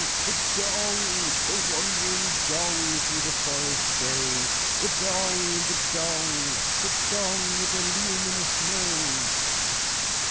the Dong! The wandering Dong through the forest goes! The Dong! the Dong! The Dong with a luminous Nose!"